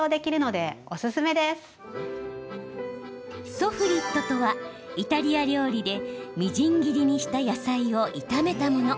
ソフリットとは、イタリア料理でみじん切りにした野菜を炒めたもの。